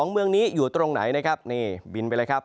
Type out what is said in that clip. ๒เมืองนี้อยู่ตรงไหนบิลไปแล้วครับ